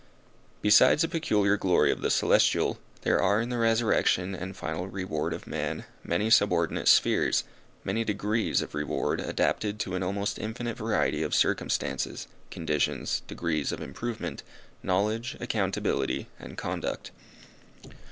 Besides the peculiar glory of the celestial, there are in the resurrection and final reward of man, many subordinate spheres, many degrees of reward adapted to an almost infinite variety of circumstances, conditions, degrees of improvement, knowledge, accountability and conduct.